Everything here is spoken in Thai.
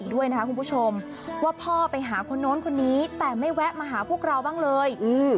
ด้วยนะคะคุณผู้ชมว่าพ่อไปหาคนโน้นคนนี้แต่ไม่แวะมาหาพวกเราบ้างเลย